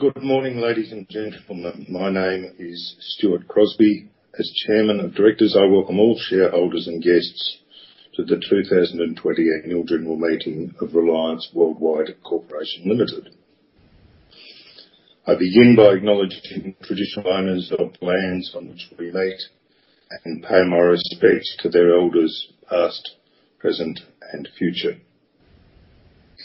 Good morning, ladies and gentlemen. My name is Stuart Crosby. As Chairman of Directors, I welcome all shareholders and guests to the 2020 Annual General Meeting of Reliance Worldwide Corporation Limited. I begin by acknowledging the traditional owners of the lands on which we meet and pay my respects to their elders past, present, and future.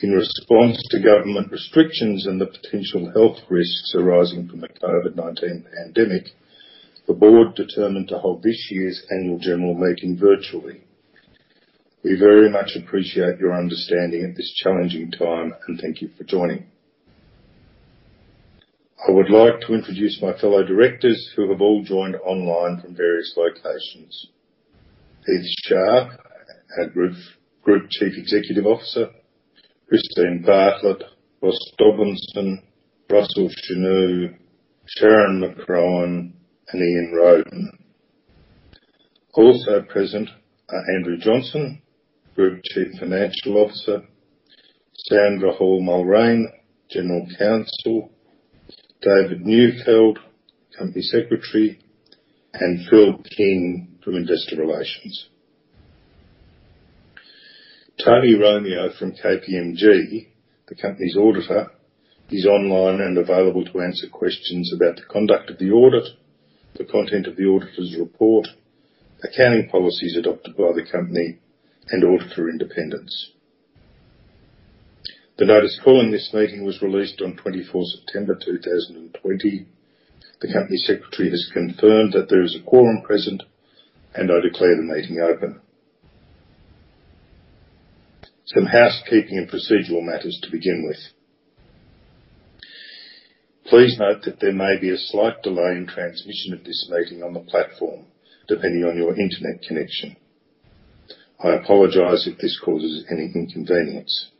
In response to government restrictions and the potential health risks arising from the COVID-19 pandemic, the board determined to hold this year's annual general meeting virtually. We very much appreciate your understanding at this challenging time, and thank you for joining. I would like to introduce my fellow directors who have all joined online from various locations. Heath Sharp, our Group Chief Executive Officer, Christine Bartlett, Ross Dobinson, Russell Chenu, Sharon McCrohan, and Ian Rowden. Also present are Andrew Johnson, Group Chief Financial Officer, Sandra Hall Mulrain, General Counsel, David Neufeld, Company Secretary, and Phil King from Investor Relations. Tony Romeo from KPMG, the company's Auditor, is online and available to answer questions about the conduct of the audit, the content of the auditor's report, accounting policies adopted by the company and auditor independence. The notice calling this meeting was released on 24 September 2020. The company secretary has confirmed that there is a quorum present. I declare the meeting open. Some housekeeping and procedural matters to begin with. Please note that there may be a slight delay in transmission of this meeting on the platform depending on your internet connection. I apologize if this causes any inconvenience.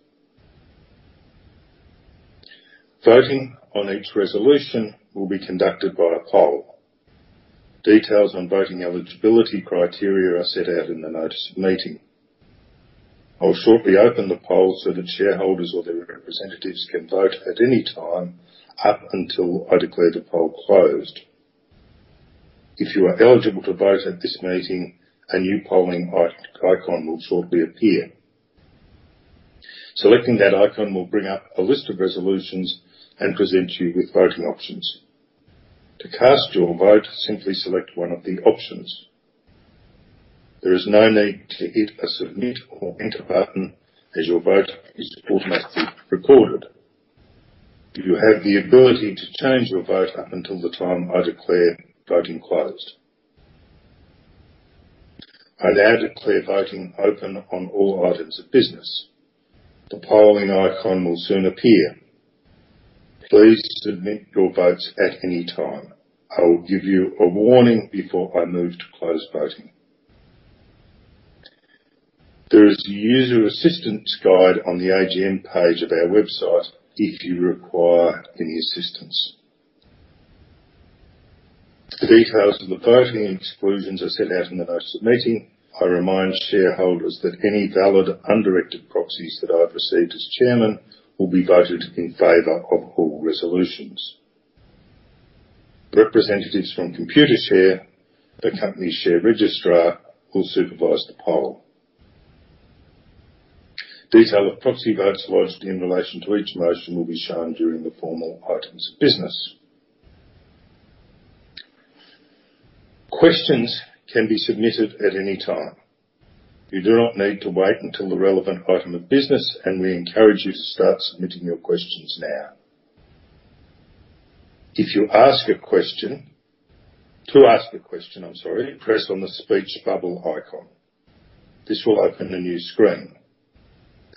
Voting on each resolution will be conducted by a poll. Details on voting eligibility criteria are set out in the notice of meeting. I will shortly open the poll so that shareholders or their representatives can vote at any time up until I declare the poll closed. If you are eligible to vote at this meeting, a new polling icon will shortly appear. Selecting that icon will bring up a list of resolutions and present you with voting options. To cast your vote, simply select one of the options. There is no need to hit a submit or enter button as your vote is automatically recorded. You have the ability to change your vote up until the time I declare voting closed. I now declare voting open on all items of business. The polling icon will soon appear. Please submit your votes at any time. I will give you a warning before I move to close voting. There is a user assistance guide on the AGM page of our website if you require any assistance. The details of the voting exclusions are set out in the notice of meeting. I remind shareholders that any valid undirected proxies that I've received as chairman will be voted in favor of all resolutions. Representatives from Computershare, the company Share Registrar, will supervise the poll. Detail of proxy votes lodged in relation to each motion will be shown during the formal items of business. Questions can be submitted at any time. You do not need to wait until the relevant item of business, and we encourage you to start submitting your questions now. To ask a question, press on the speech bubble icon. This will open a new screen.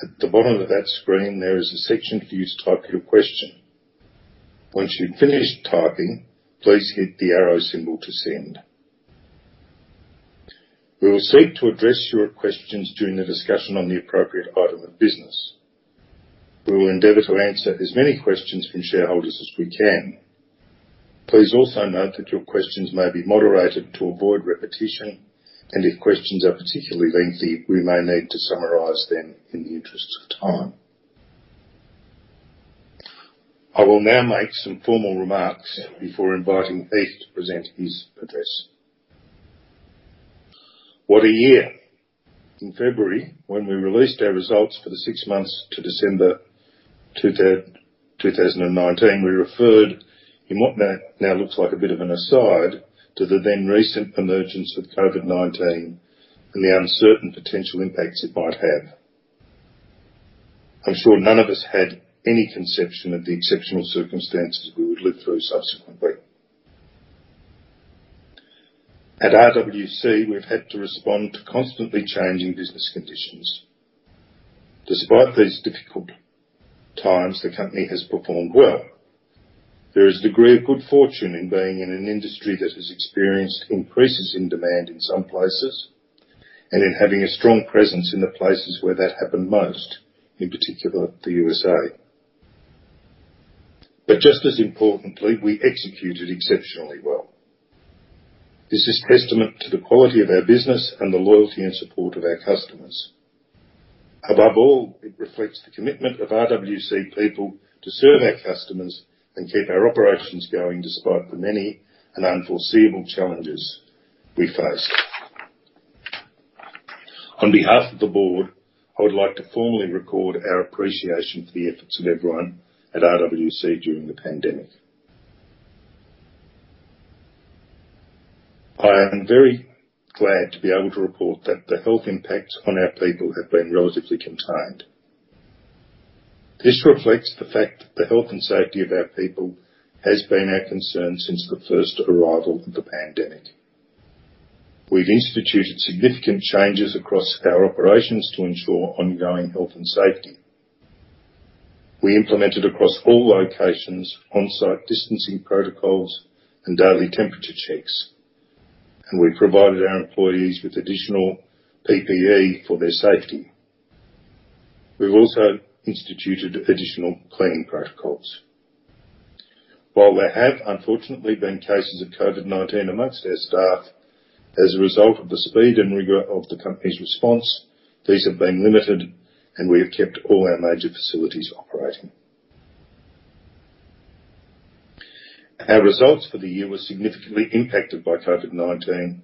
At the bottom of that screen, there is a section for you to type your question. Once you've finished typing, please hit the arrow symbol to send. We will seek to address your questions during the discussion on the appropriate item of business. We will endeavor to answer as many questions from shareholders as we can. Please also note that your questions may be moderated to avoid repetition, and if questions are particularly lengthy, we may need to summarize them in the interests of time. I will now make some formal remarks before inviting Heath to present his address. What a year. In February, when we released our results for the six months to December 2019, we referred in what now looks like a bit of an aside to the then recent emergence of COVID-19 and the uncertain potential impacts it might have. I'm sure none of us had any conception of the exceptional circumstances we would live through subsequently. At RWC, we've had to respond to constantly changing business conditions. Despite these difficult times, the company has performed well. There is a degree of good fortune in being in an industry that has experienced increases in demand in some places and in having a strong presence in the places where that happened most, in particular, the U.S. Just as importantly, we executed exceptionally well. This is testament to the quality of our business and the loyalty and support of our customers. Above all, it reflects the commitment of RWC people to serve our customers and keep our operations going, despite the many and unforeseeable challenges we face. On behalf of the board, I would like to formally record our appreciation for the efforts of everyone at RWC during the pandemic. I am very glad to be able to report that the health impacts on our people have been relatively contained. This reflects the fact that the health and safety of our people has been our concern since the first arrival of the pandemic. We've instituted significant changes across our operations to ensure ongoing health and safety. We implemented across all locations, on-site distancing protocols and daily temperature checks, and we provided our employees with additional PPE for their safety. We've also instituted additional cleaning protocols. While there have unfortunately been cases of COVID-19 amongst our staff, as a result of the speed and rigor of the company's response, these have been limited, and we have kept all our major facilities operating. Our results for the year were significantly impacted by COVID-19,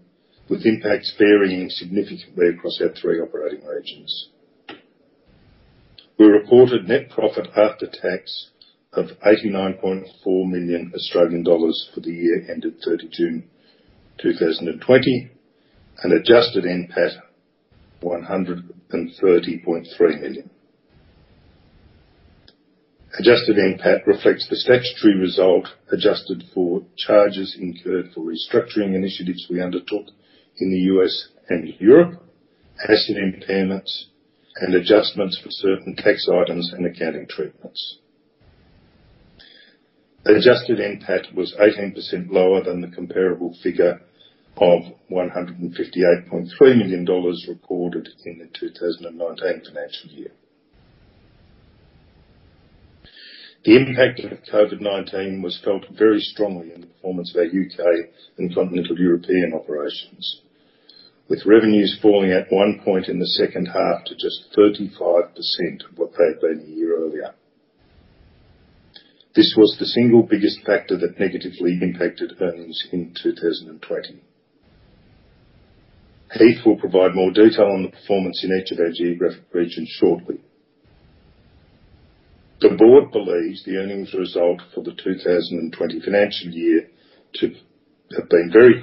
with impacts varying significantly across our three operating regions. We reported net profit after tax of 89.4 million Australian dollars for the year ended 30th June 2020, and adjusted NPAT 130.3 million. Adjusted NPAT reflects the statutory result, adjusted for charges incurred for restructuring initiatives we undertook in the U.S. and Europe, asset impairments, and adjustments for certain tax items and accounting treatments. The adjusted NPAT was 18% lower than the comparable figure of 158.3 million dollars recorded in the FY 2019. The impact of COVID-19 was felt very strongly in the performance of our U.K. and continental European operations, with revenues falling at one point in the second half to just 35% of what they had been the year earlier. This was the single biggest factor that negatively impacted earnings in 2020. Heath will provide more detail on the performance in each of our geographic regions shortly. The board believes the earnings result for the FY 2020 to have been very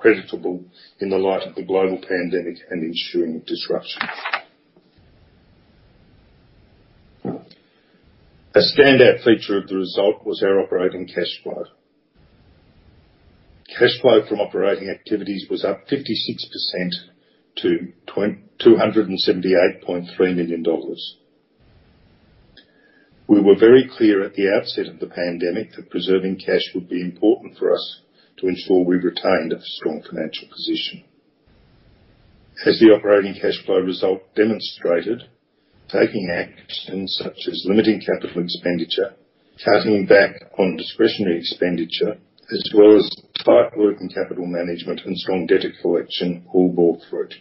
creditable in the light of the global pandemic and ensuing disruption. A standout feature of the result was our operating cash flow. Cash flow from operating activities was up 56% to 278.3 million dollars. We were very clear at the outset of the pandemic that preserving cash would be important for us to ensure we retained a strong financial position. As the operating cash flow result demonstrated, taking actions such as limiting capital expenditure, cutting back on discretionary expenditure, as well as tight working capital management and strong debt collection all bore fruit.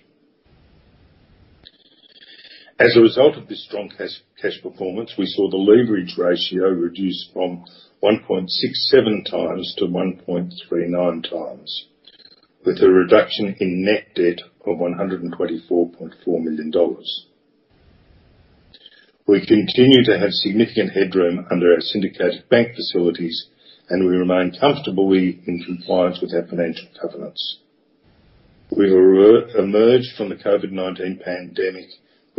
As a result of this strong cash performance, we saw the leverage ratio reduce from 1.67x to 1.39x, with a reduction in net debt of 124.4 million dollars. We continue to have significant headroom under our syndicated bank facilities, and we remain comfortably in compliance with our financial covenants. We will emerge from the COVID-19 pandemic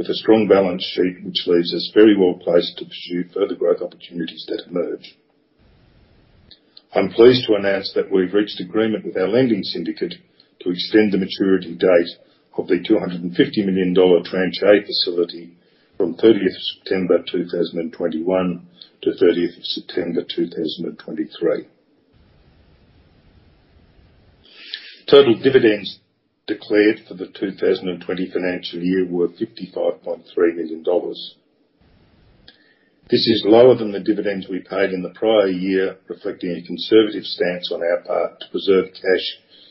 with a strong balance sheet, which leaves us very well placed to pursue further growth opportunities that emerge. I'm pleased to announce that we've reached agreement with our lending syndicate to extend the maturity date of the 250 million dollar tranche A facility from 30th September 2021 to 30th September 2023. Total dividends declared for the FY 2020 were 55.3 million dollars. This is lower than the dividends we paid in the prior year, reflecting a conservative stance on our part to preserve cash,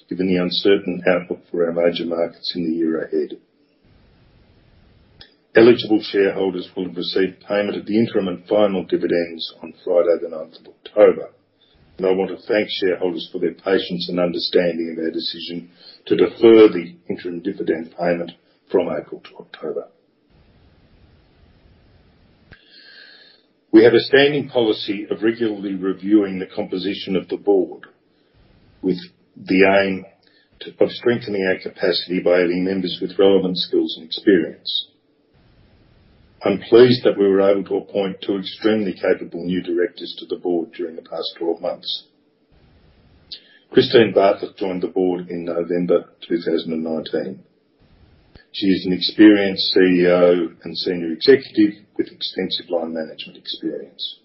given the uncertain outlook for our major markets in the year ahead. Eligible shareholders will have received payment of the interim and final dividends on Friday the 9th of October, and I want to thank shareholders for their patience and understanding in their decision to defer the interim dividend payment from April to October. We have a standing policy of regularly reviewing the composition of the board with the aim of strengthening our capacity by adding members with relevant skills and experience. I'm pleased that we were able to appoint two extremely capable new directors to the board during the past 12 months. Christine Bartlett joined the board in November 2019. She is an experienced CEO and Senior Executive with extensive line management experience.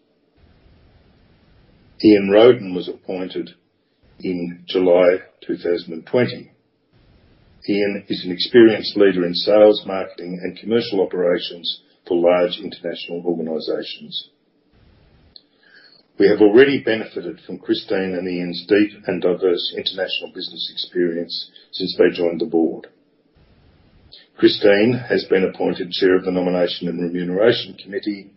Ian Rowden was appointed in July 2020. Ian is an experienced leader in sales, marketing, and commercial operations for large international organizations. We have already benefited from Christine and Ian's deep and diverse international business experience since they joined the board. Christine has been appointed Chair of the Nomination and Remuneration Committee.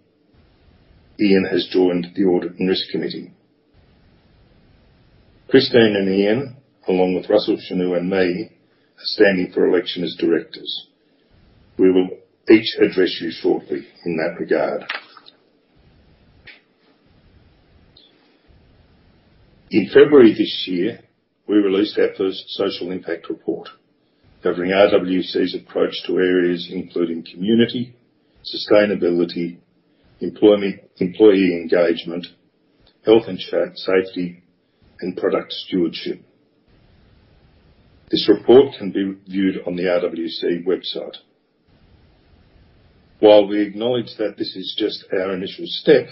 Ian has joined the Audit and Risk Committee. Christine and Ian, along with Russell Chenu and me, are standing for election as Directors. We will each address you shortly in that regard. In February this year, we released our first social impact report covering RWC's approach to areas including community, sustainability, employee engagement, health and safety, and product stewardship. This report can be viewed on the RWC website. While we acknowledge that this is just our initial step,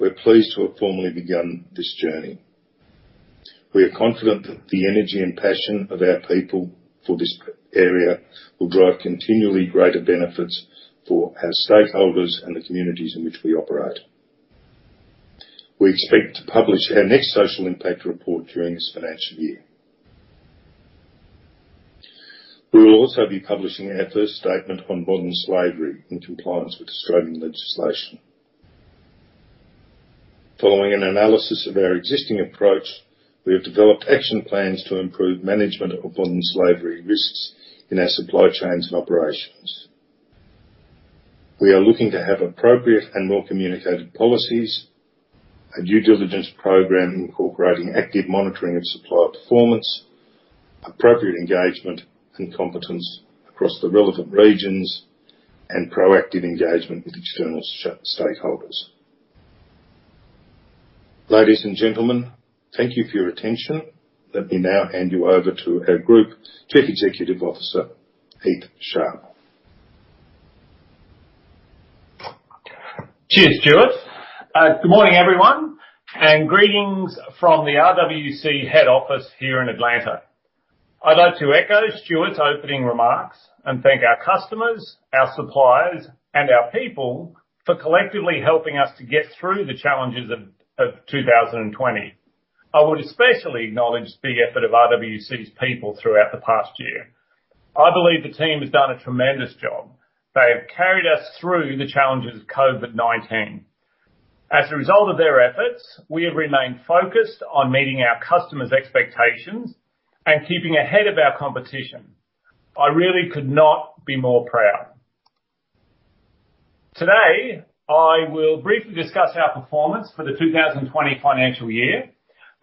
we're pleased to have formally begun this journey. We are confident that the energy and passion of our people for this area will drive continually greater benefits for our stakeholders and the communities in which we operate. We expect to publish our next social impact report during this financial year. We will also be publishing our first statement on modern slavery in compliance with Australian legislation. Following an analysis of our existing approach, we have developed action plans to improve management of modern slavery risks in our supply chains and operations. We are looking to have appropriate and well communicated policies, a due diligence program incorporating active monitoring of supplier performance, appropriate engagement and competence across the relevant regions, and proactive engagement with external stakeholders. Ladies and gentlemen, thank you for your attention. Let me now hand you over to our Group Chief Executive Officer, Heath Sharp. Cheers, Stuart. Good morning, everyone, and greetings from the RWC head office here in Atlanta. I'd like to echo Stuart's opening remarks and thank our customers, our suppliers, and our people for collectively helping us to get through the challenges of 2020. I would especially acknowledge the effort of RWC's people throughout the past year. I believe the team has done a tremendous job. They have carried us through the challenges of COVID-19. As a result of their efforts, we have remained focused on meeting our customers' expectations and keeping ahead of our competition. I really could not be more proud. Today, I will briefly discuss our performance for the FY 2020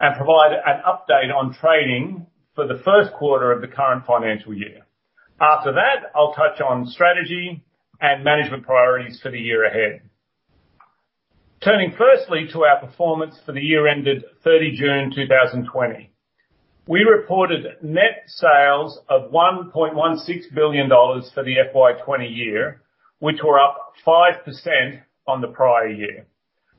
and provide an update on trading for the first quarter of the current financial year. After that, I'll touch on strategy and management priorities for the year ahead. Turning firstly to our performance for the year ended 30 June 2020. We reported net sales of 1.16 billion dollars for the FY 2020 year, which were up 5% on the prior year.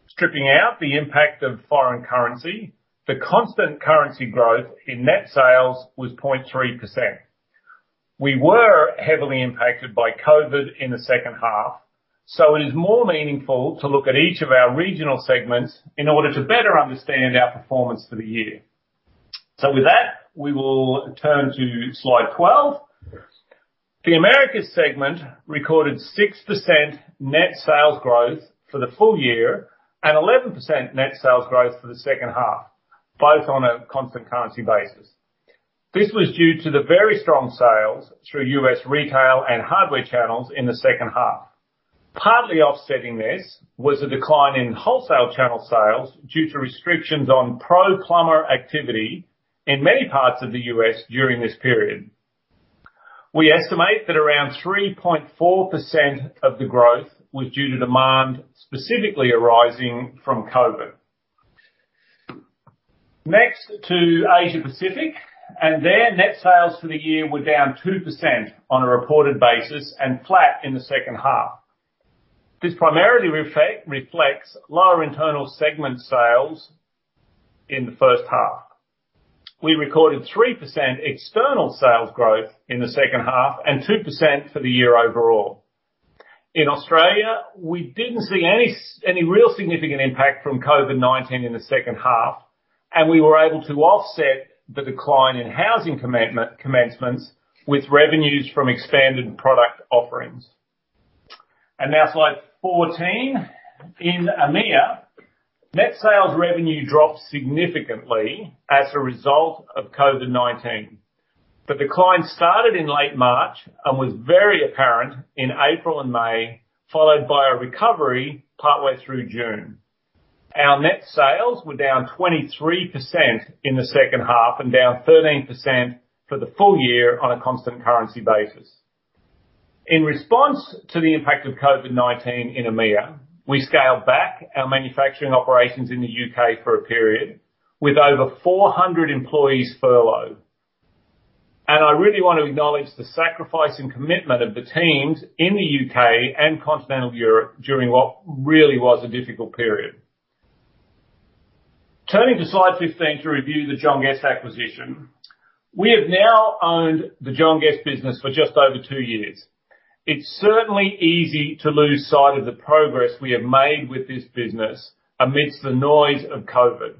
Stripping out the impact of foreign currency, the constant currency growth in net sales was 0.3%. We were heavily impacted by COVID-19 in the second half. It is more meaningful to look at each of our regional segments in order to better understand our performance for the year. With that, we will turn to slide 12. The Americas segment recorded 6% net sales growth for the full year and 11% net sales growth for the second half, both on a constant currency basis. This was due to the very strong sales through U.S. retail and hardware channels in the second half. Partly offsetting this was a decline in wholesale channel sales due to restrictions on pro-plumber activity in many parts of the U.S. during this period. We estimate that around 3.4% of the growth was due to demand specifically arising from COVID. Next to Asia Pacific, their net sales for the year were down 2% on a reported basis and flat in the second half. This primarily reflects lower internal segment sales in the first half. We recorded 3% external sales growth in the second half and 2% for the year overall. In Australia, we didn't see any real significant impact from COVID-19 in the second half, and we were able to offset the decline in housing commencements with revenues from expanded product offerings. Now slide 14. In EMEA, net sales revenue dropped significantly as a result of COVID-19. The decline started in late March and was very apparent in April and May, followed by a recovery partway through June. Our net sales were down 23% in the second half and down 13% for the full year on a constant currency basis. In response to the impact of COVID-19 in EMEA, we scaled back our manufacturing operations in the U.K. for a period with over 400 employees furloughed. I really want to acknowledge the sacrifice and commitment of the teams in the U.K. and continental Europe during what really was a difficult period. Turning to slide 15 to review the John Guest acquisition. We have now owned the John Guest business for just over two years. It's certainly easy to lose sight of the progress we have made with this business amidst the noise of COVID.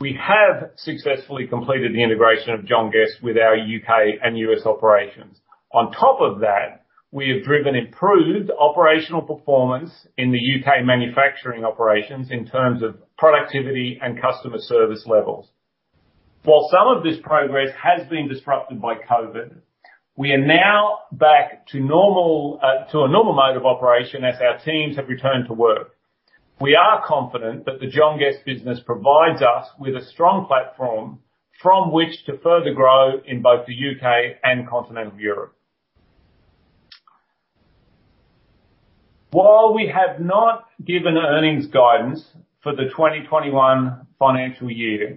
We have successfully completed the integration of John Guest with our U.K. and U.S. operations. On top of that, we have driven improved operational performance in the U.K. manufacturing operations in terms of productivity and customer service levels. While some of this progress has been disrupted by COVID, we are now back to a normal mode of operation as our teams have returned to work. We are confident that the John Guest business provides us with a strong platform from which to further grow in both the U.K. and continental Europe. While we have not given earnings guidance for the FY 2021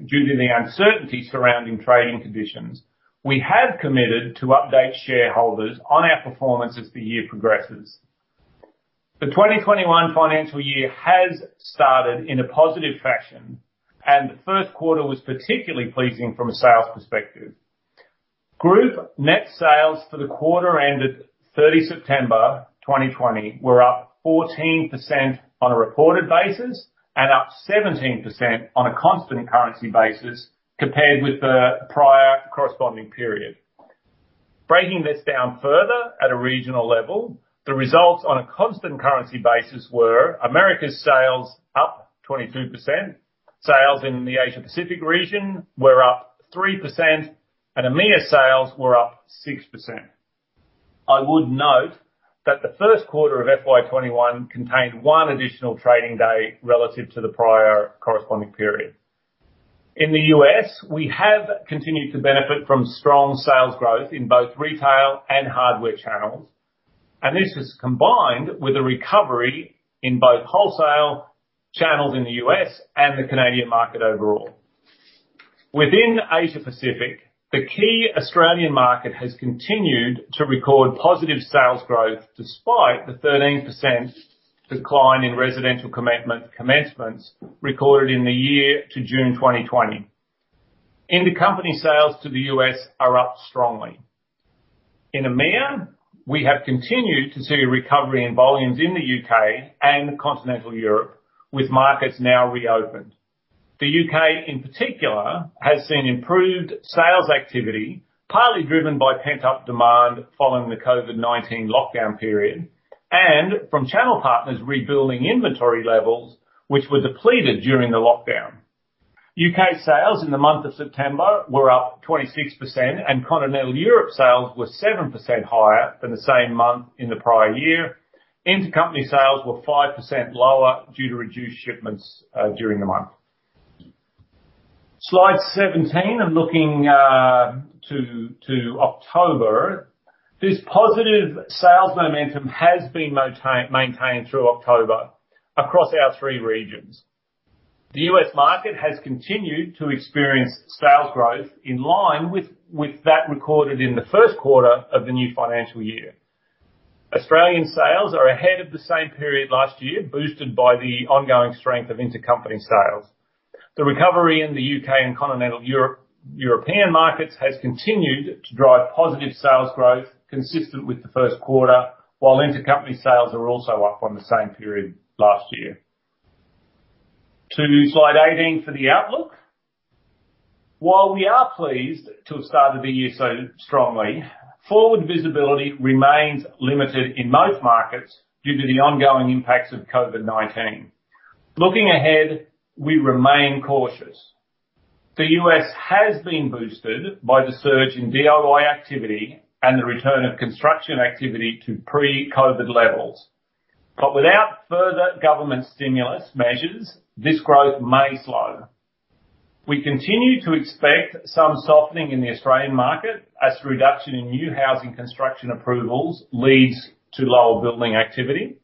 due to the uncertainty surrounding trading conditions, we have committed to update shareholders on our performance as the year progresses. The FY 2021 has started in a positive fashion, and the first quarter was particularly pleasing from a sales perspective. Group net sales for the quarter ended 30 September 2020 were up 14% on a reported basis and up 17% on a constant currency basis compared with the prior corresponding period. Breaking this down further at a regional level, the results on a constant currency basis were, Americas sales up 22%, sales in the Asia Pacific region were up 3%, and EMEA sales were up 6%. I would note that the first quarter of FY 2021 contained one additional trading day relative to the prior corresponding period. In the U.S., we have continued to benefit from strong sales growth in both retail and hardware channels, and this has combined with a recovery in both wholesale channels in the U.S. and the Canadian market overall. Within Asia Pacific, the key Australian market has continued to record positive sales growth despite the 13% decline in residential commencements recorded in the year to June 2020. Inter-company sales to the U.S. are up strongly. In EMEA, we have continued to see a recovery in volumes in the U.K. and continental Europe, with markets now reopened. The U.K. in particular, has seen improved sales activity, partly driven by pent-up demand following the COVID-19 lockdown period and from channel partners rebuilding inventory levels, which were depleted during the lockdown. U.K. sales in the month of September were up 26%, and continental Europe sales were 7% higher than the same month in the prior year. Inter-company sales were 5% lower due to reduced shipments during the month. Slide 17, looking to October. This positive sales momentum has been maintained through October across our three regions. The U.S. market has continued to experience sales growth in line with that recorded in the first quarter of the new financial year. Australian sales are ahead of the same period last year, boosted by the ongoing strength of inter-company sales. The recovery in the U.K. and continental European markets has continued to drive positive sales growth consistent with the first quarter, while inter-company sales are also up on the same period last year. To slide 18 for the outlook. While we are pleased to have started the year so strongly, forward visibility remains limited in most markets due to the ongoing impacts of COVID-19. Looking ahead, we remain cautious. The U.S. has been boosted by the surge in DIY activity and the return of construction activity to pre-COVID levels. Without further government stimulus measures, this growth may slow. We continue to expect some softening in the Australian market as the reduction in new housing construction approvals leads to lower building activity.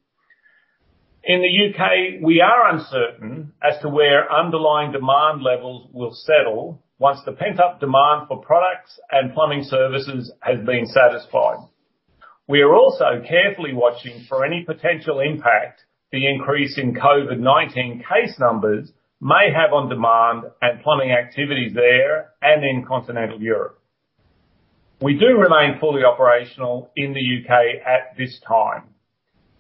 In the U.K., we are uncertain as to where underlying demand levels will settle once the pent-up demand for products and plumbing services has been satisfied. We are also carefully watching for any potential impact the increase in COVID-19 case numbers may have on demand and plumbing activities there and in continental Europe. We do remain fully operational in the U.K. at this time.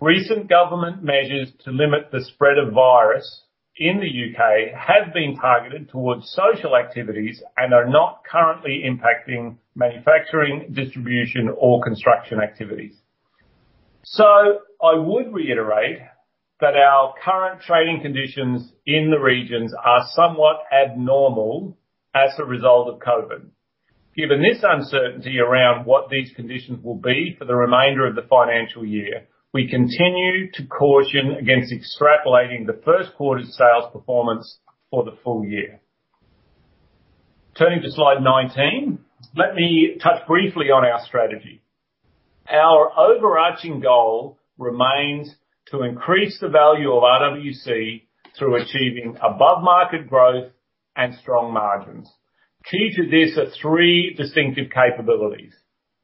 Recent government measures to limit the spread of virus in the U.K. have been targeted towards social activities and are not currently impacting manufacturing, distribution or construction activities. I would reiterate that our current trading conditions in the regions are somewhat abnormal as a result of COVID-19. Given this uncertainty around what these conditions will be for the remainder of the financial year, we continue to caution against extrapolating the first quarter's sales performance for the full year. Turning to slide 19, let me touch briefly on our strategy. Our overarching goal remains to increase the value of RWC through achieving above market growth and strong margins. Key to this are three distinctive capabilities,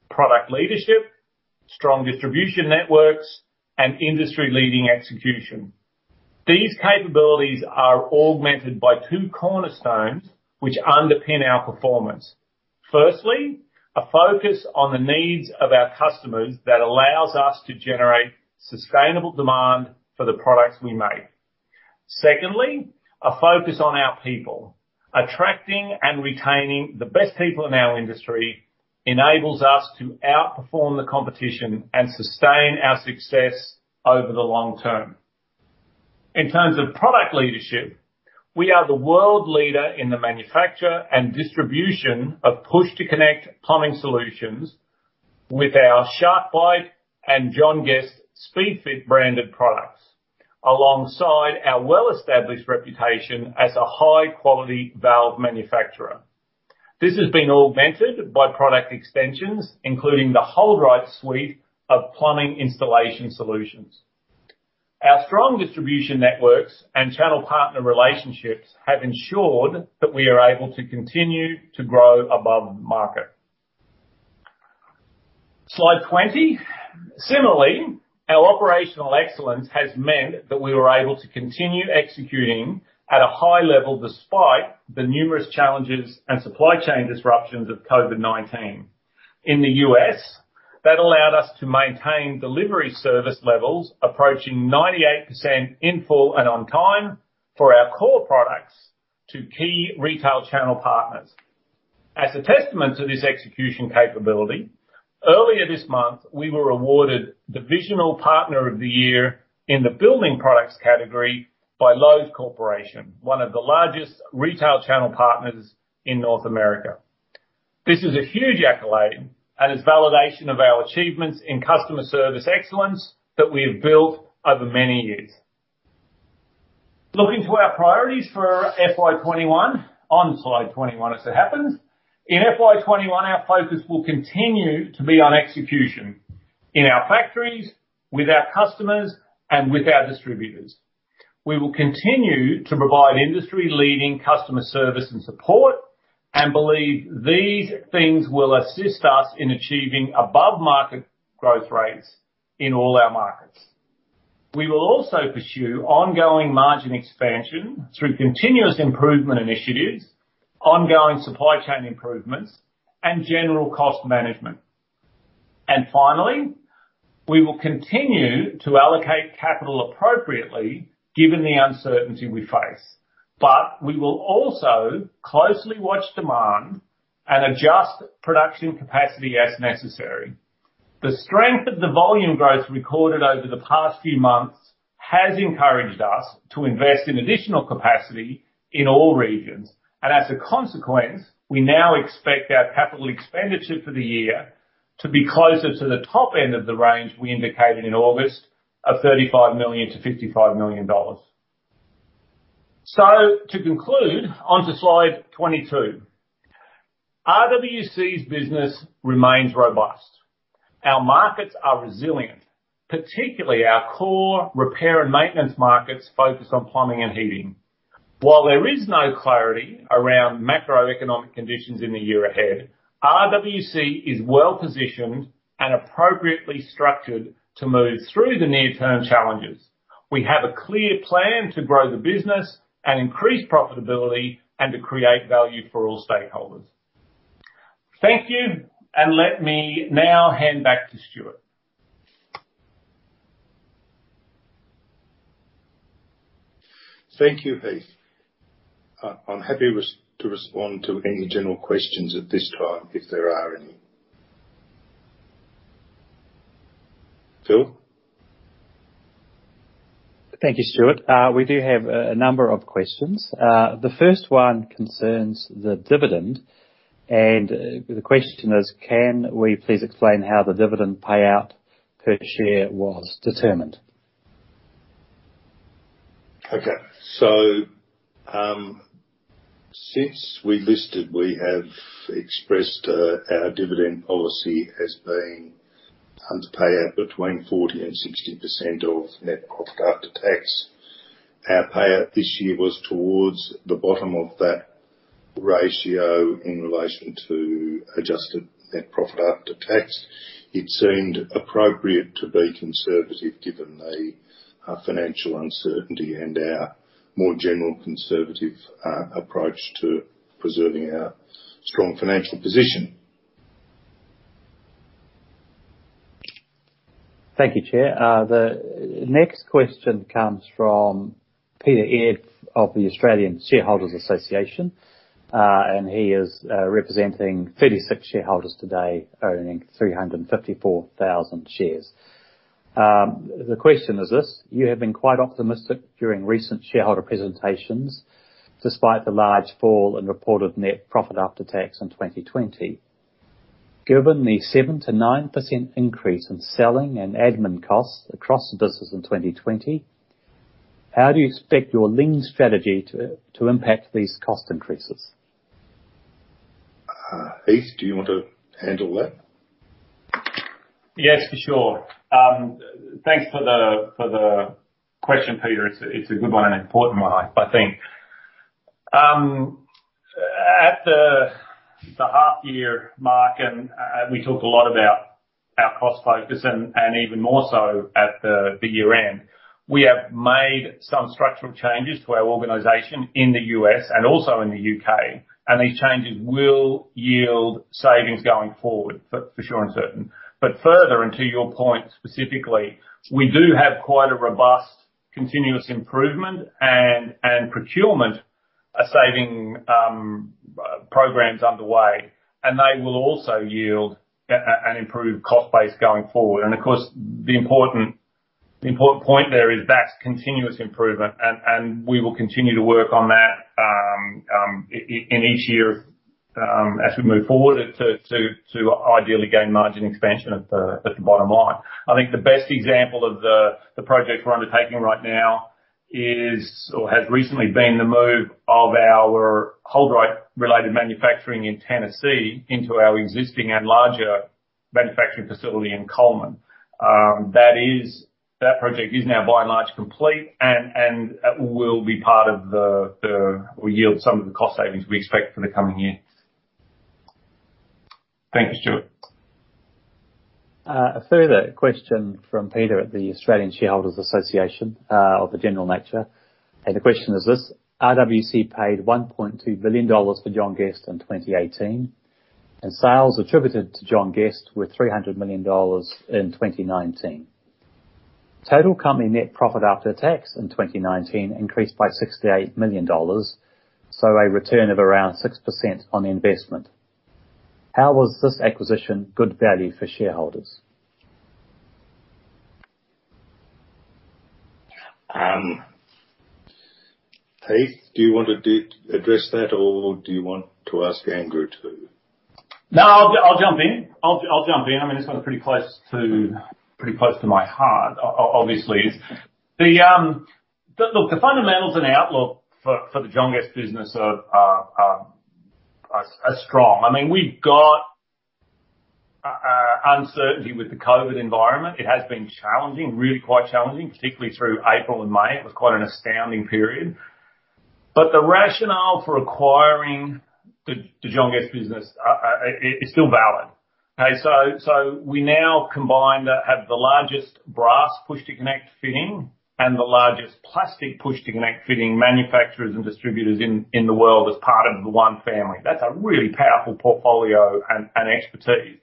product leadership, strong distribution networks and industry-leading execution. These capabilities are augmented by two cornerstones which underpin our performance. Firstly, a focus on the needs of our customers that allows us to generate sustainable demand for the products we make. Secondly, a focus on our people. Attracting and retaining the best people in our industry enables us to outperform the competition and sustain our success over the long term. In terms of product leadership, we are the world leader in the manufacture and distribution of push-to-connect plumbing solutions with our SharkBite and JG Speedfit branded products, alongside our well-established reputation as a high-quality valve manufacturer. This has been augmented by product extensions, including the HoldRite suite of plumbing installation solutions. Our strong distribution networks and channel partner relationships have ensured that we are able to continue to grow above market. Slide 20. Similarly, our operational excellence has meant that we were able to continue executing at a high level despite the numerous challenges and supply chain disruptions of COVID-19. In the U.S., that allowed us to maintain delivery service levels approaching 98% in full and on time for our core products to key retail channel partners. As a testament to this execution capability, earlier this month, we were awarded Divisional Partner of the Year in the building products category by Lowe's Corporation, one of the largest retail channel partners in North America. This is a huge accolade and is validation of our achievements in customer service excellence that we have built over many years. Looking to our priorities for FY 2021, on slide 21 as it happens. In FY 2021, our focus will continue to be on execution in our factories, with our customers, and with our distributors. We will continue to provide industry-leading customer service and support and believe these things will assist us in achieving above-market growth rates in all our markets. We will also pursue ongoing margin expansion through continuous improvement initiatives, ongoing supply chain improvements, and general cost management. Finally, we will continue to allocate capital appropriately given the uncertainty we face. We will also closely watch demand and adjust production capacity as necessary. The strength of the volume growth recorded over the past few months has encouraged us to invest in additional capacity in all regions. As a consequence, we now expect our capital expenditure for the year to be closer to the top end of the range we indicated in August of 35 million-55 million dollars. To conclude, on to slide 22. RWC's business remains robust. Our markets are resilient, particularly our core repair and maintenance markets focused on plumbing and heating. While there is no clarity around macroeconomic conditions in the year ahead, RWC is well-positioned and appropriately structured to move through the near-term challenges. We have a clear plan to grow the business and increase profitability and to create value for all stakeholders. Thank you, and let me now hand back to Stuart. Thank you, Heath. I'm happy to respond to any general questions at this time, if there are any. Phil? Thank you, Stuart. We do have a number of questions. The first one concerns the dividend. The question is: can we please explain how the dividend payout per share was determined? Since we listed, we have expressed our dividend policy as being under payout between 40% and 60% of net profit after tax. Our payout this year was towards the bottom of that ratio in relation to adjusted net profit after tax. It seemed appropriate to be conservative given the financial uncertainty and our more general conservative approach to preserving our strong financial position. Thank you, Chair. The next question comes from Peter Eades of the Australian Shareholders' Association. He is representing 36 shareholders today owning 354,000 shares. The question is this: you have been quite optimistic during recent shareholder presentations, despite the large fall in reported net profit after tax in 2020. Given the 7%-9% increase in selling and admin costs across the business in 2020, how do you expect your lean strategy to impact these cost increases? Heath, do you want to handle that? Yes, for sure. Thanks for the question, Peter. It's a good one and an important one, I think. At the half year mark, we talk a lot about our cost focus and even more so at the year-end. We have made some structural changes to our organization in the U.S. and also in the U.K. These changes will yield savings going forward for sure and certain. Further, to your point specifically, we do have quite a robust continuous improvement and procurement saving programs underway. They will also yield an improved cost base going forward. Of course, the important point there is that's continuous improvement. We will continue to work on that in each year as we move forward to ideally gain margin expansion at the bottom line. I think the best example of the projects we're undertaking right now is or has recently been the move of our HoldRite related manufacturing in Tennessee into our existing and larger manufacturing facility in Cullman. That project is now by and large complete and will yield some of the cost savings we expect for the coming year. Thank you, Stuart. A further question from Peter at the Australian Shareholders' Association of a general nature. The question is this: RWC paid 1.2 billion dollars for John Guest in 2018, and sales attributed to John Guest were 300 million dollars in 2019. Total company net profit after tax in 2019 increased by 68 million dollars, so a return of around 6% on the investment. How was this acquisition good value for shareholders? Heath, do you want to address that, or do you want to ask Andrew to? I'll jump in. I mean, this one's pretty close to my heart, obviously. The fundamentals and outlook for the John Guest business are strong. I mean, we've got uncertainty with the COVID environment. It has been challenging, really quite challenging, particularly through April and May. It was quite an astounding period. The rationale for acquiring the John Guest business is still valid. We now combine to have the largest brass push-to-connect fitting and the largest plastic push-to-connect fitting manufacturers and distributors in the world as part of the one family. That's a really powerful portfolio and expertise.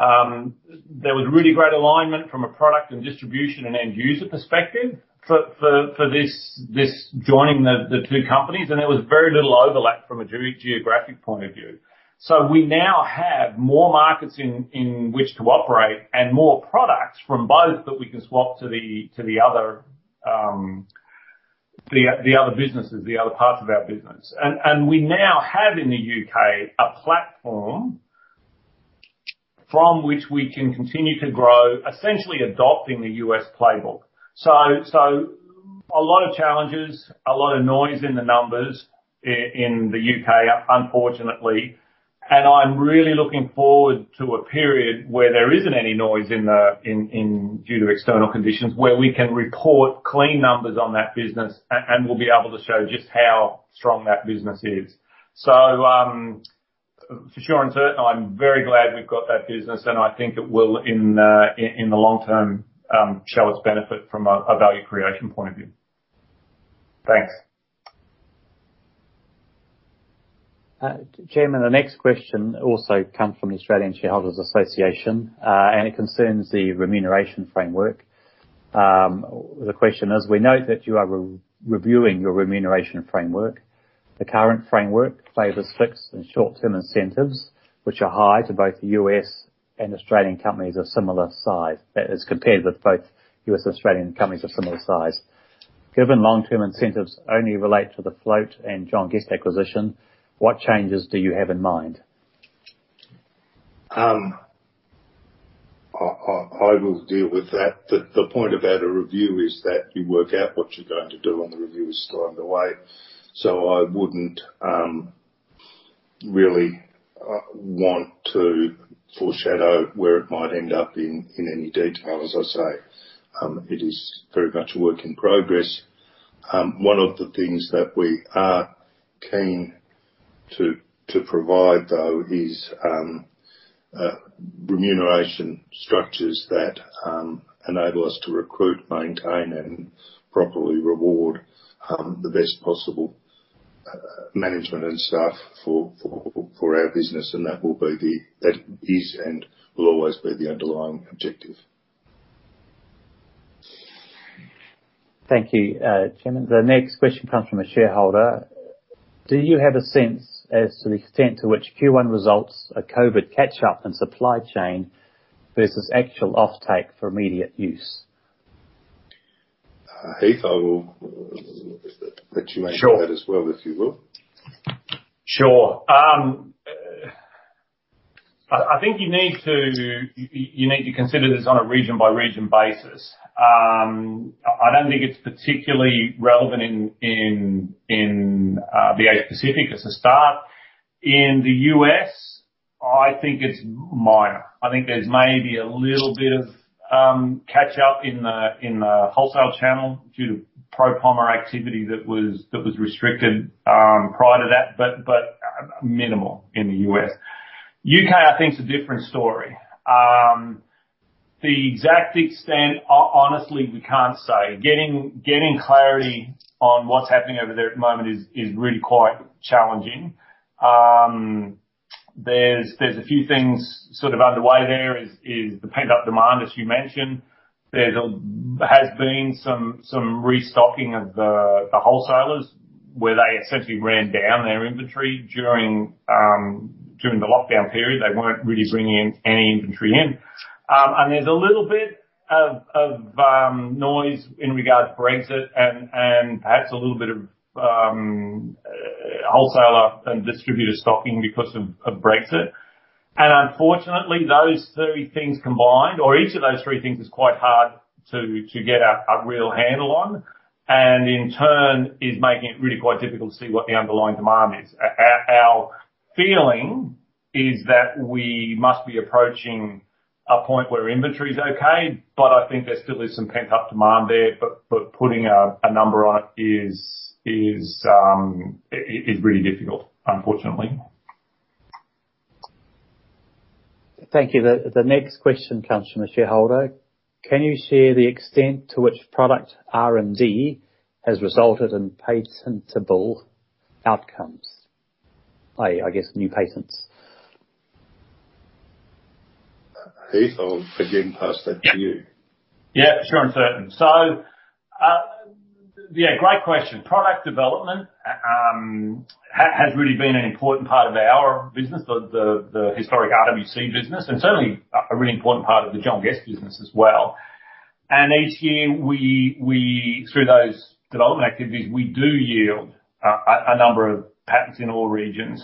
There was really great alignment from a product and distribution and end-user perspective for this joining the two companies, and there was very little overlap from a geographic point of view. We now have more markets in which to operate and more products from both that we can swap to the other businesses, the other parts of our business. We now have in the U.K. a platform from which we can continue to grow, essentially adopting the U.S. playbook. A lot of challenges, a lot of noise in the numbers in the U.K., unfortunately. I'm really looking forward to a period where there isn't any noise due to external conditions, where we can report clean numbers on that business, and we'll be able to show just how strong that business is. For sure and certain, I'm very glad we've got that business, and I think it will, in the long term, show its benefit from a value creation point of view. Thanks. Chairman, the next question also comes from the Australian Shareholders' Association. It concerns the remuneration framework. The question is: We note that you are reviewing your remuneration framework. The current framework favors fixed and short-term incentives, which are high to both the U.S. and Australian companies of similar size. That is compared with both U.S. and Australian companies of similar size. Given long-term incentives only relate to the float and John Guest acquisition, what changes do you have in mind? I will deal with that. The point about a review is that you work out what you're going to do when the review is underway. I wouldn't really want to foreshadow where it might end up in any detail. As I say, it is very much a work in progress. One of the things that we are keen to provide, though, is remuneration structures that enable us to recruit, maintain, and properly reward the best possible management and staff for our business. That is and will always be the underlying objective. Thank you, Chairman. The next question comes from a shareholder. Do you have a sense as to the extent to which Q1 results are COVID catch-up and supply chain versus actual offtake for immediate use? Heath, I will let you answer that as well. Sure If you will. Sure. I think you need to consider this on a region-by-region basis. I don't think it's particularly relevant in the Asia Pacific as a start. In the U.S., I think it's minor. I think there's maybe a little bit of catch up in the wholesale channel due to pro-plumber activity that was restricted prior to that, but minimal in the U.S. U.K., I think, is a different story. The exact extent, honestly, we can't say. Getting clarity on what's happening over there at the moment is really quite challenging. There's a few things sort of underway there is the pent-up demand, as you mentioned. There has been some restocking of the wholesalers where they essentially ran down their inventory during the lockdown period. They weren't really bringing any inventory in. There's a little bit of noise in regards to Brexit and perhaps a little bit of wholesaler and distributor stocking because of Brexit. Unfortunately, those three things combined, or each of those three things is quite hard to get a real handle on, and in turn is making it really quite difficult to see what the underlying demand is. Our feeling is that we must be approaching a point where inventory is okay, but I think there still is some pent-up demand there, but putting a number on it is really difficult, unfortunately. Thank you. The next question comes from a shareholder. Can you share the extent to which product R&D has resulted in patentable outcomes? I guess new patents. Heath, I'll again pass that to you. Yeah, sure and certain. Yeah, great question. Product development has really been an important part of our business, the historic RWC business, and certainly a really important part of the John Guest business as well. Each year, through those development activities, we do yield a number of patents in all regions.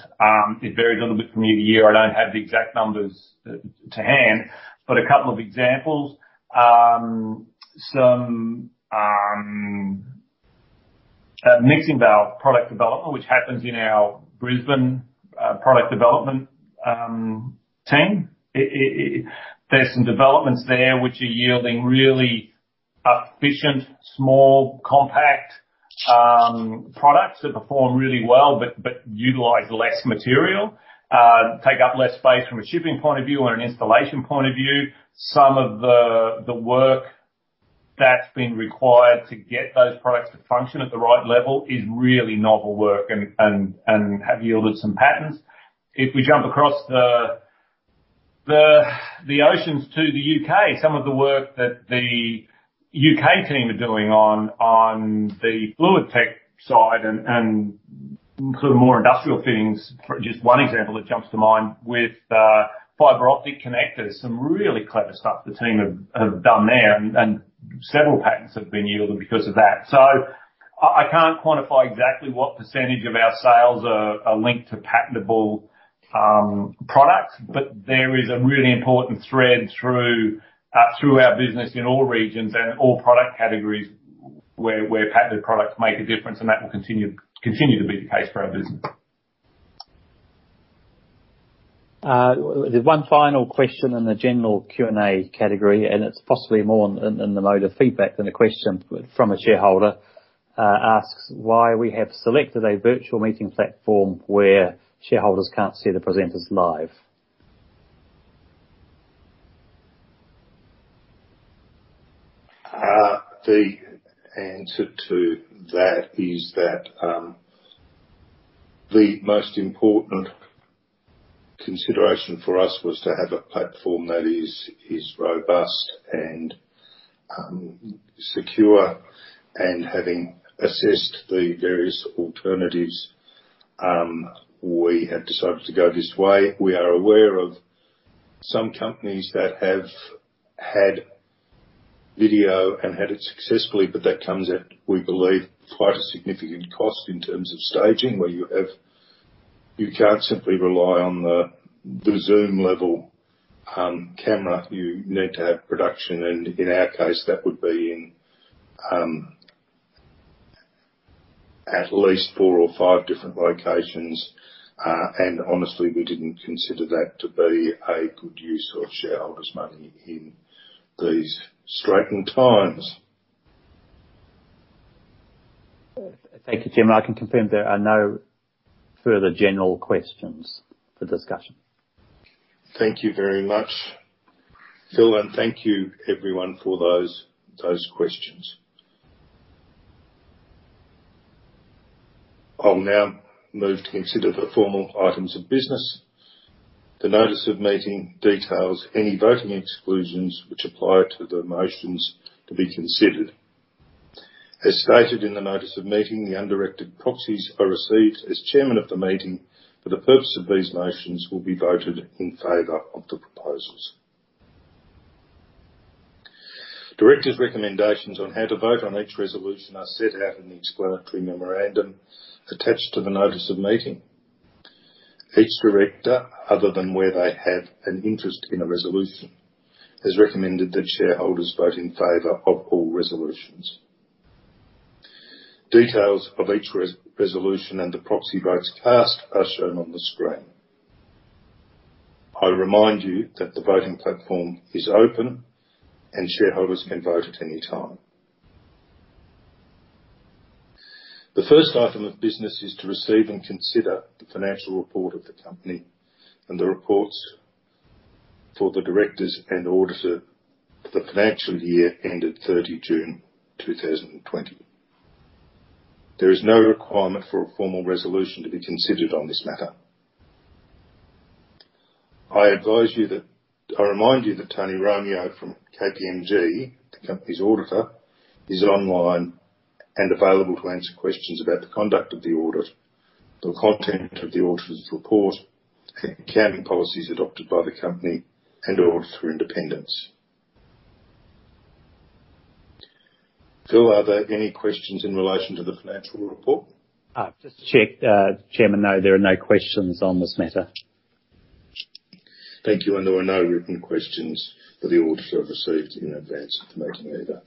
It varies a little bit from year to year. I don't have the exact numbers to hand, but a couple of examples. Some mixing valve product development, which happens in our Brisbane product development team. There's some developments there which are yielding really efficient, small, compact products that perform really well but utilize less material, take up less space from a shipping point of view or an installation point of view. Some of the work that's been required to get those products to function at the right level is really novel work and have yielded some patents. If we jump across the oceans to the U.K., some of the work that the U.K. team are doing on the FluidTech side and sort of more industrial fittings. Just one example that jumps to mind with fiber optic connectors. Some really clever stuff the team have done there, and several patents have been yielded because of that. I can't quantify exactly what percentage of our sales are linked to patentable products. There is a really important thread through our business in all regions and all product categories where patented products make a difference, and that will continue to be the case for our business. There's one final question in the general Q&A category. It's possibly more in the mode of feedback than a question from a shareholder asks why we have selected a virtual meeting platform where shareholders can't see the presenters live. The answer to that is that the most important consideration for us was to have a platform that is robust and secure. Having assessed the various alternatives, we have decided to go this way. We are aware of some companies that have had video and had it successfully, but that comes at, we believe, quite a significant cost in terms of staging, where you can't simply rely on the Zoom level camera. You need to have production. In our case, that would be in at least four or five different locations. Honestly, we didn't consider that to be a good use of shareholders' money in these straightened times. Thank you, Tim. I can confirm there are no further general questions for discussion. Thank you very much, Phil, and thank you everyone for those questions. I'll now move to consider the formal items of business. The notice of meeting details any voting exclusions which apply to the motions to be considered. As stated in the notice of meeting, the undirected proxies are received as Chairman of the Meeting for the purpose of these motions will be voted in favor of the proposals. Directors' recommendations on how to vote on each resolution are set out in the explanatory memorandum attached to the notice of meeting. Each director, other than where they have an interest in a resolution, has recommended that shareholders vote in favor of all resolutions. Details of each resolution and the proxy votes cast are shown on the screen. I remind you that the voting platform is open and shareholders can vote at any time. The first item of business is to receive and consider the financial report of the company and the reports for the directors and the auditor for the financial year ended 30 June 2020. There is no requirement for a formal resolution to be considered on this matter. I remind you that Tony Romeo from KPMG, the company's Auditor, is online and available to answer questions about the conduct of the audit, the content of the auditor's report, accounting policies adopted by the company, and auditor independence. Phil, are there any questions in relation to the financial report? Just to check, Chairman, no, there are no questions on this matter. Thank you. There were no written questions that the auditor received in advance of the meeting either.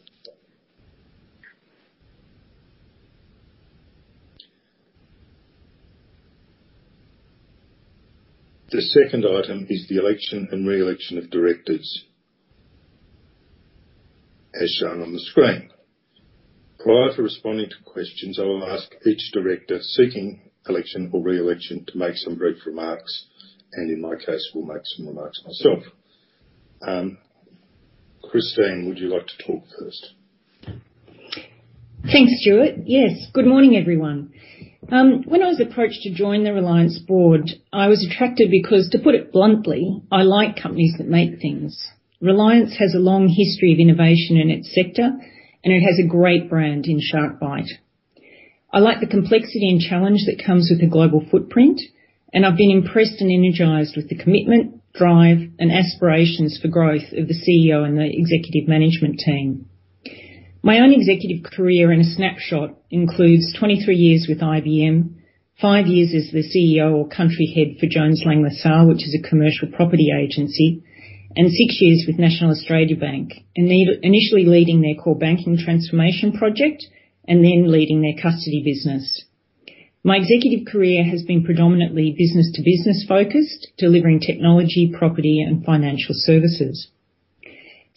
The second item is the election and re-election of directors as shown on the screen. Prior to responding to questions, I will ask each director seeking election or re-election to make some brief remarks, and in my case, will make some remarks myself. Christine, would you like to talk first? Thanks, Stuart. Yes. Good morning, everyone. When I was approached to join the Reliance board, I was attracted because, to put it bluntly, I like companies that make things. Reliance has a long history of innovation in its sector, and it has a great brand in SharkBite. I like the complexity and challenge that comes with a global footprint, and I've been impressed and energized with the commitment, drive, and aspirations for growth of the CEO and the executive management team. My own executive career in a snapshot includes 23 years with IBM, five years as the CEO or Country Head for Jones Lang LaSalle, which is a commercial property agency, and six years with National Australia Bank, initially leading their core banking transformation project and then leading their custody business. My executive career has been predominantly business-to-business focused, delivering technology, property, and financial services.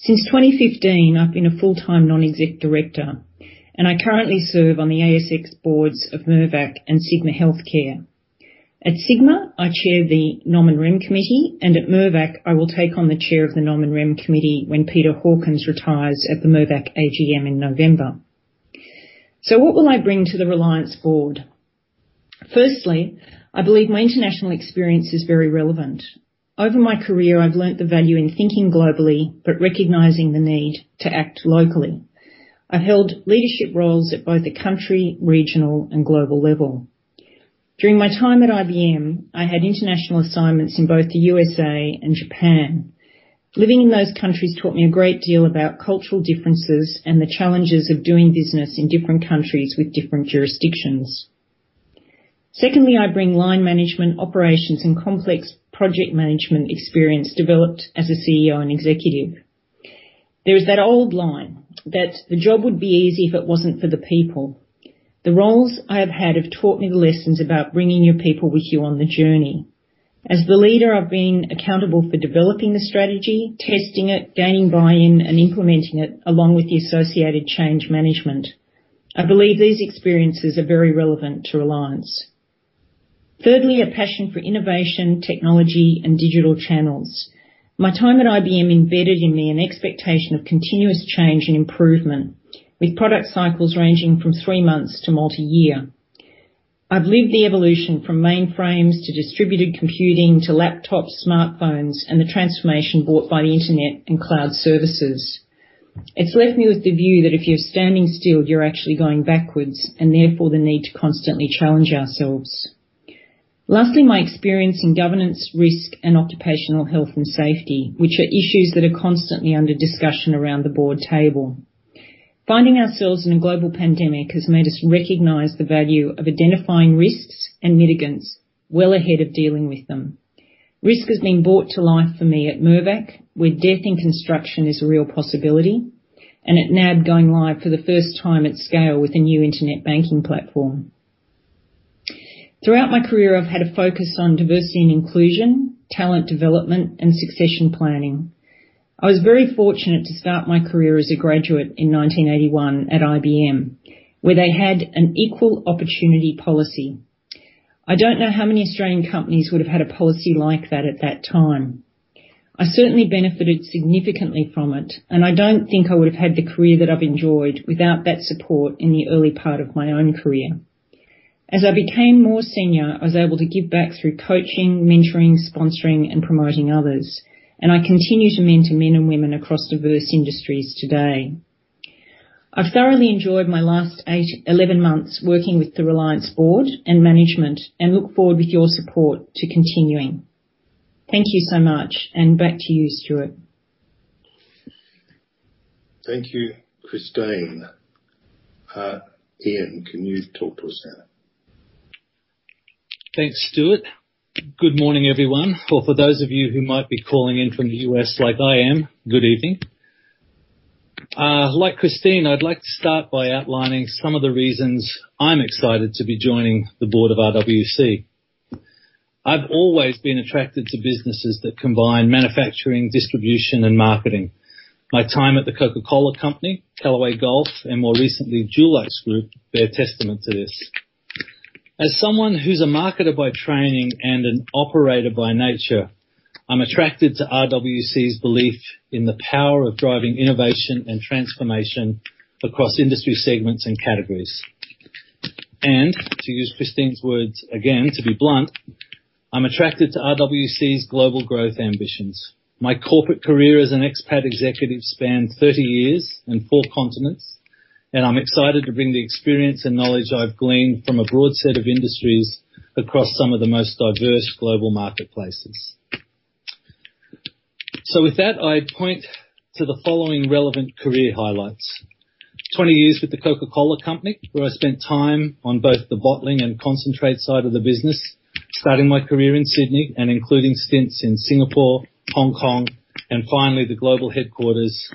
Since 2015, I've been a full-time Non-Executive Director. I currently serve on the ASX boards of Mirvac and Sigma Healthcare. At Sigma, I chair the Nom & Rem committee. At Mirvac, I will take on the chair of the Nom & Rem committee when Peter Hawkins retires at the Mirvac AGM in November. What will I bring to the Reliance board? Firstly, I believe my international experience is very relevant. Over my career, I've learned the value in thinking globally, recognizing the need to act locally. I've held leadership roles at both the country, regional, and global level. During my time at IBM, I had international assignments in both the U.S.A. and Japan. Living in those countries taught me a great deal about cultural differences and the challenges of doing business in different countries with different jurisdictions. Secondly, I bring line management operations and complex project management experience developed as a CEO and Executive. There is that old line that the job would be easy if it wasn't for the people. The roles I have had have taught me the lessons about bringing your people with you on the journey. As the leader, I've been accountable for developing the strategy, testing it, gaining buy-in, and implementing it along with the associated change management. I believe these experiences are very relevant to Reliance. Thirdly, a passion for innovation, technology, and digital channels. My time at IBM embedded in me an expectation of continuous change and improvement with product cycles ranging from three months to multi-year. I've lived the evolution from mainframes to distributed computing to laptops, smartphones, and the transformation brought by the internet and cloud services. It's left me with the view that if you're standing still, you're actually going backwards, and therefore the need to constantly challenge ourselves. Lastly, my experience in governance, risk, and occupational health and safety, which are issues that are constantly under discussion around the board table. Finding ourselves in a global pandemic has made us recognize the value of identifying risks and mitigants well ahead of dealing with them. Risk has been brought to life for me at Mirvac, where death in construction is a real possibility, and at NAB going live for the first time at scale with a new internet banking platform. Throughout my career, I've had a focus on diversity and inclusion, talent development, and succession planning. I was very fortunate to start my career as a graduate in 1981 at IBM, where they had an equal opportunity policy. I don't know how many Australian companies would have had a policy like that at that time. I certainly benefited significantly from it. I don't think I would have had the career that I've enjoyed without that support in the early part of my own career. As I became more senior, I was able to give back through coaching, mentoring, sponsoring, and promoting others. I continue to mentor men and women across diverse industries today. I've thoroughly enjoyed my last 11 months working with the Reliance board and management and look forward with your support to continuing. Thank you so much and back to you, Stuart. Thank you, Christine. Ian, can you talk to us now? Thanks, Stuart. Good morning, everyone. Or for those of you who might be calling in from the U.S. like I am, good evening. Like Christine, I'd like to start by outlining some of the reasons I'm excited to be joining the board of RWC. I've always been attracted to businesses that combine manufacturing, distribution, and marketing. My time at the Coca-Cola Company, Callaway Golf, and more recently, DuluxGroup, bear testament to this. As someone who's a marketer by training and an operator by nature, I'm attracted to RWC's belief in the power of driving innovation and transformation across industry segments and categories. To use Christine's words again, to be blunt, I'm attracted to RWC's global growth ambitions. My corporate career as an expat executive spanned 30 years and four continents. I'm excited to bring the experience and knowledge I've gleaned from a broad set of industries across some of the most diverse global marketplaces. With that, I point to the following relevant career highlights. 20 years with the Coca-Cola Company, where I spent time on both the bottling and concentrate side of the business, starting my career in Sydney and including stints in Singapore, Hong Kong, and finally, the global headquarters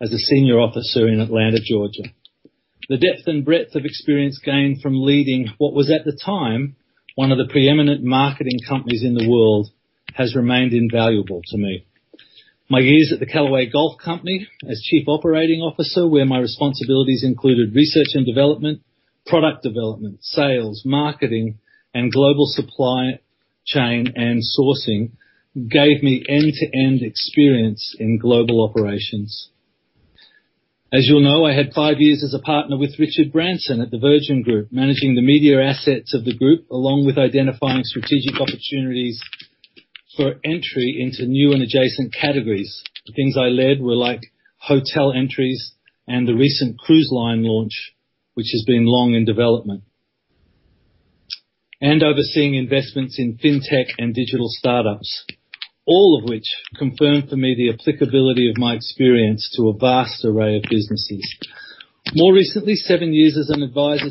as a senior officer in Atlanta, Georgia. The depth and breadth of experience gained from leading what was at the time, one of the preeminent marketing companies in the world, has remained invaluable to me. My years at the Callaway Golf Company as chief operating officer, where my responsibilities included research and development, product development, sales, marketing, and global supply chain and sourcing, gave me end-to-end experience in global operations. As you'll know, I had five years as a partner with Richard Branson at the Virgin Group, managing the media assets of the group along with identifying strategic opportunities for entry into new and adjacent categories. The things I led were like hotel entries and the recent cruise line launch, which has been long in development. Overseeing investments in fintech and digital startups. All of which confirmed for me the applicability of my experience to a vast array of businesses. More recently, seven years as an advisor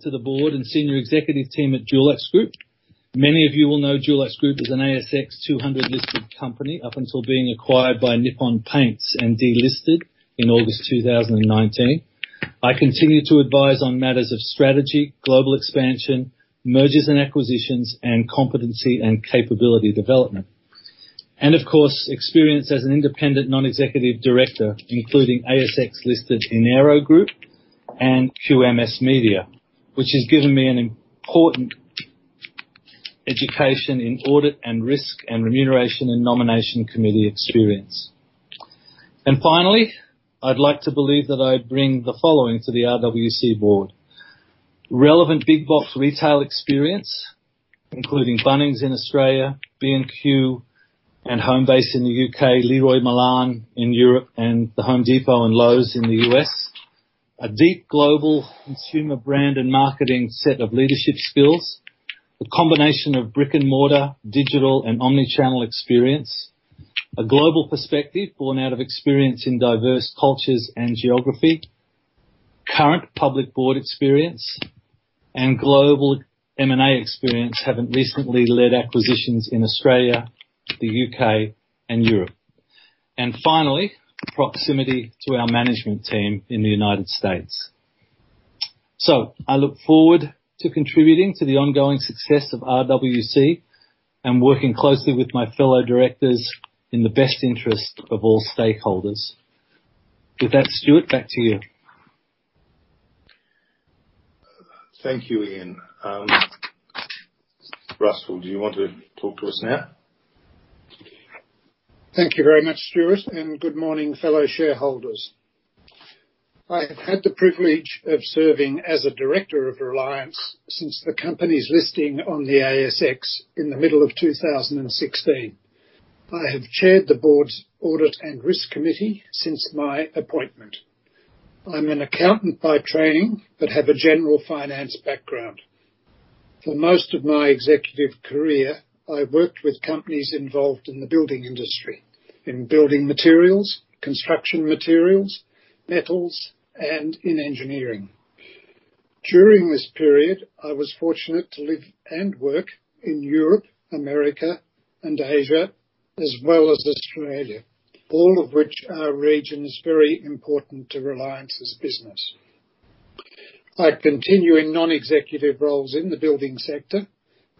to the board and senior executive team at DuluxGroup. Many of you will know DuluxGroup as an ASX 200 listed company up until being acquired by Nippon Paint and delisted in August 2019. I continue to advise on matters of strategy, global expansion, mergers and acquisitions, and competency and capability development. Of course, experience as an independent non-executive director, including ASX listed Enero Group and QMS Media, which has given me an important education in audit and risk and remuneration and nomination committee experience. Finally, I'd like to believe that I bring the following to the RWC board. Relevant big box retail experience, including Bunnings in Australia, B&Q and Homebase in the U.K., Leroy Merlin in Europe, and The Home Depot and Lowe's in the U.S. A deep global consumer brand and marketing set of leadership skills. A combination of brick-and-mortar, digital, and omni-channel experience. A global perspective born out of experience in diverse cultures and geography. Current public board experience and global M&A experience, having recently led acquisitions in Australia, the U.K., and Europe. Finally, proximity to our management team in the U.S. I look forward to contributing to the ongoing success of RWC and working closely with my fellow directors in the best interest of all stakeholders. With that, Stuart, back to you. Thank you, Ian. Russell, do you want to talk to us now? Thank you very much, Stuart, and good morning, fellow shareholders. I have had the privilege of serving as a director of Reliance since the company's listing on the ASX in the middle of 2016. I have chaired the board's audit and risk committee since my appointment. I'm an accountant by training, but have a general finance background. For most of my executive career, I worked with companies involved in the building industry in building materials, construction materials, metals, and in engineering. During this period, I was fortunate to live and work in Europe, America, and Asia, as well as Australia, all of which are regions very important to Reliance's business. I continue in non-executive roles in the building sector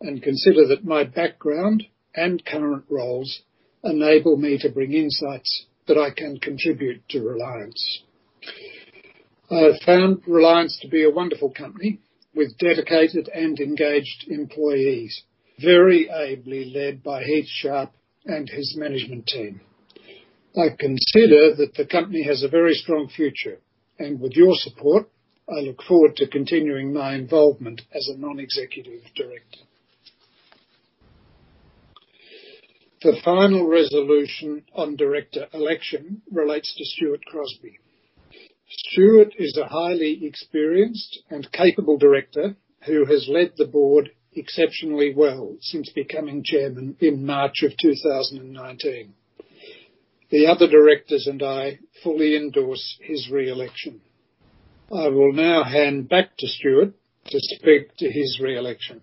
and consider that my background and current roles enable me to bring insights that I can contribute to Reliance. I found Reliance to be a wonderful company with dedicated and engaged employees, very ably led by Heath Sharp and his management team. I consider that the company has a very strong future, and with your support, I look forward to continuing my involvement as a non-executive director. The final resolution on director election relates to Stuart Crosby. Stuart is a highly experienced and capable director who has led the board exceptionally well since becoming chairman in March of 2019. The other directors and I fully endorse his re-election. I will now hand back to Stuart to speak to his re-election.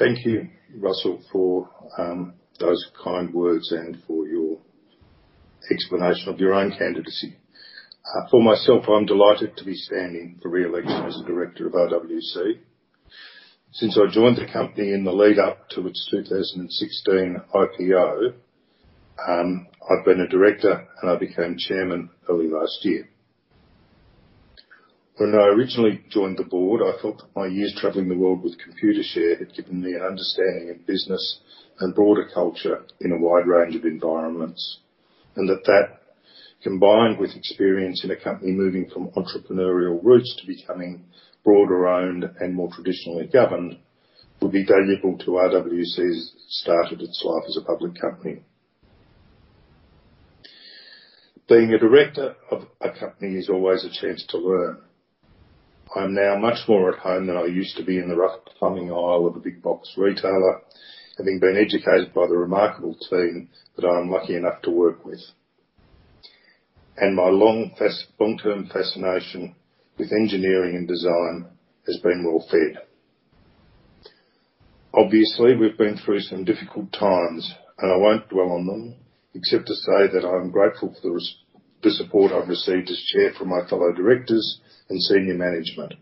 Thank you, Russell, for those kind words and for your explanation of your own candidacy. For myself, I'm delighted to be standing for Re-Election as a Director of RWC. Since I joined the company in the lead up to its 2016 IPO, I've been a director, and I became chairman early last year. When I originally joined the board, I thought that my years traveling the world with Computershare had given me an understanding of business and broader culture in a wide range of environments, and that combined with experience in a company moving from entrepreneurial roots to becoming broader owned and more traditionally governed, would be valuable to RWC as it started its life as a public company. Being a director of a company is always a chance to learn. I am now much more at home than I used to be in the rough plumbing aisle of a big box retailer, having been educated by the remarkable team that I am lucky enough to work with. My long-term fascination with engineering and design has been well fed. Obviously, we've been through some difficult times. I won't dwell on them, except to say that I am grateful for the support I've received as Chair from my fellow directors and senior management.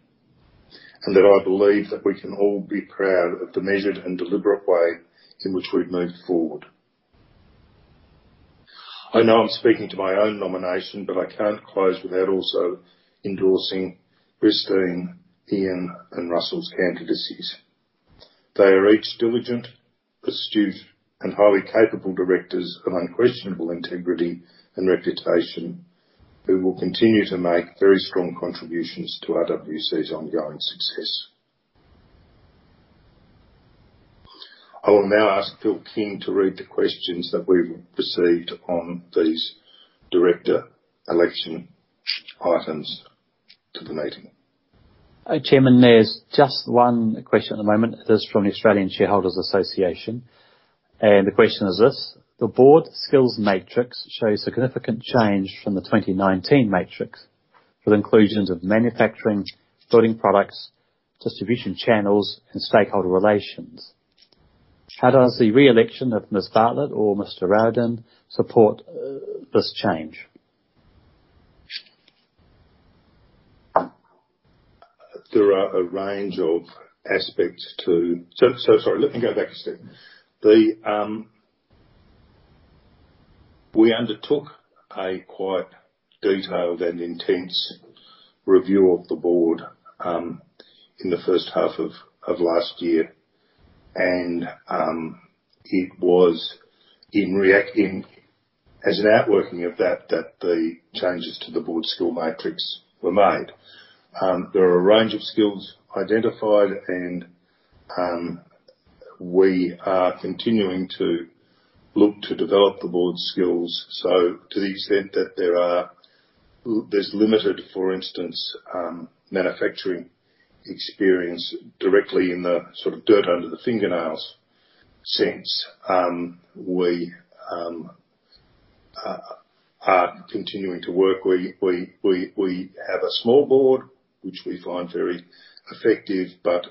I believe that we can all be proud of the measured and deliberate way in which we've moved forward. I know I'm speaking to my own nomination. I can't close without also endorsing Christine, Ian, and Russell's candidacies. They are each diligent, astute, and highly capable directors of unquestionable integrity and reputation who will continue to make very strong contributions to RWC's ongoing success. I will now ask Phil King to read the questions that we've received on these director election items to the meeting. Chairman, there's just one question at the moment. It is from the Australian Shareholders' Association. The question is this, "The board skills matrix shows significant change from the 2019 matrix with inclusions of manufacturing, building products, distribution channels, and stakeholder relations. How does the re-election of Ms. Bartlett or Mr. Rowden support this change? Sorry, let me go back a step. We undertook a quite detailed and intense review of the board, in the first half of last year. It was as an outworking of that that the changes to the board skill matrix were made. There are a range of skills identified, and we are continuing to look to develop the board's skills. To the extent that there's limited, for instance, manufacturing experience directly in the sort of dirt under the fingernails sense. We are continuing to work. We have a small board, which we find very effective, but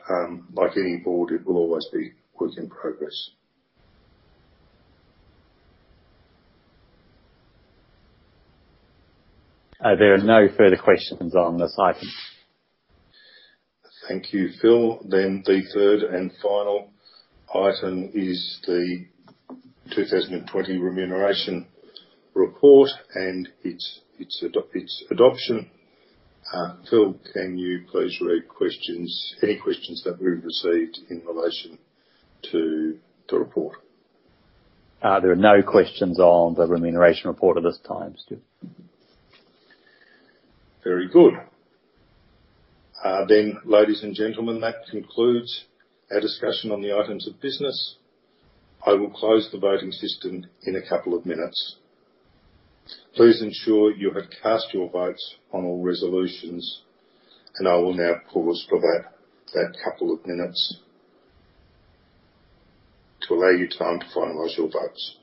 like any board, it will always be work in progress. There are no further questions on this item. Thank you, Phil. The third and final item is the 2020 remuneration report and its adoption. Phil, can you please read any questions that we've received in relation to the report? There are no questions on the remuneration report at this time, Stuart. Very good. Ladies and gentlemen, that concludes our discussion on the items of business. I will close the voting system in a couple of minutes. Please ensure you have cast your votes on all resolutions, and I will now pause for that couple of minutes to allow you time to finalize your votes.